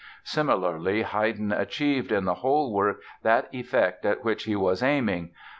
Similarly, Haydn achieved in the whole work that effect at which he was aiming.